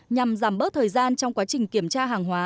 nhằm giảm bớt thời gian trong quá trình kiểm tra hàng hóa